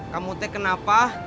kamu teh kenapa